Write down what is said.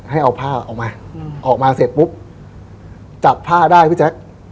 ให้เอาผ้าออกมาออกมาเสร็จปุ๊บจับผ้าได้พี่แจ๊ค